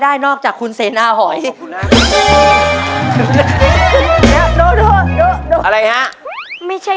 อ๋อขอบคุณครับพี่แน่